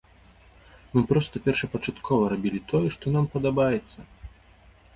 Мы проста першапачаткова рабілі тое, што нам падабаецца.